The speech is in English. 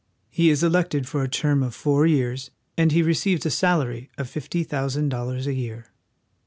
He is elected for a term of four years, and he receives a salary of fifty thousand dollars a year.